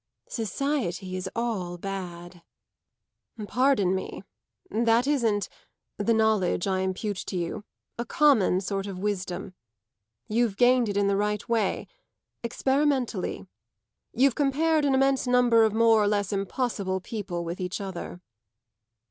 "Society is all bad." "Pardon me. That isn't the knowledge I impute to you a common sort of wisdom. You've gained it in the right way experimentally; you've compared an immense number of more or less impossible people with each other."